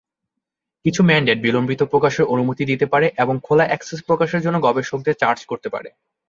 কিছু ম্যান্ডেট বিলম্বিত প্রকাশের অনুমতি দিতে পারে এবং খোলা অ্যাক্সেস প্রকাশের জন্য গবেষকদের চার্জ করতে পারে।